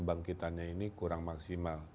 bangkitannya ini kurang maksimal